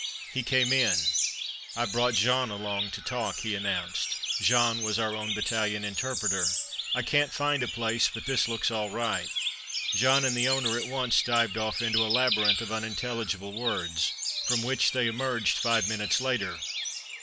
He came in. "I've brought Jean along to talk," he announced. (Jean was our own battalion interpreter.) "I can't find a place; but this looks all right." Jean and the owner at once dived off into a labyrinth of unintelligible words, from which they emerged five minutes later.